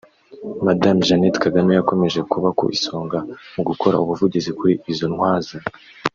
Madame Jeannette Kagame yakomeje kuba ku isonga mu gukora ubuvugizi kuri izo Ntwaza